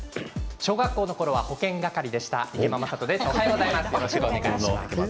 小学校のころは保健係でした、池間昌人です。